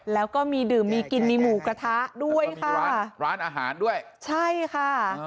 แล้วก็มีดื่มมีกินมีหมูกระทะด้วยค่ะร้านร้านอาหารด้วยใช่ค่ะ